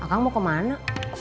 akang mau ke mana